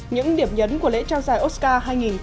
những điểm nhấn của lễ trao dài oscar hai nghìn một mươi tám